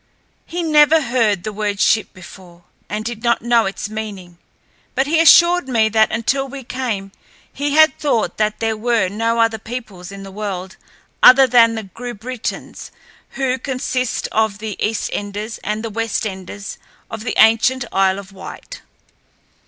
He never heard the word ship before, and did not know its meaning. But he assured me that until we came he had thought that there were no other peoples in the world other than the Grubittens, who consist of the Eastenders and the Westenders of the ancient Isle of Wight.